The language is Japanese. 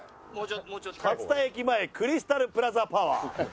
勝田駅前クリスタルプラザパワー。